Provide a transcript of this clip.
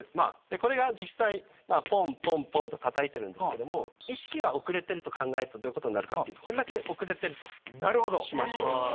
これが実際ポンポンポンとたたいてるんですけども意識が遅れてると考えるとどういうことになるかというとこれだけ遅れてるとしましょう。